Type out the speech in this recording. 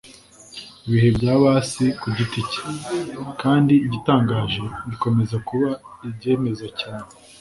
ibihe bya bassi ku giti cye, kandi igitangaje, bikomeza kuba ibyemeza cyane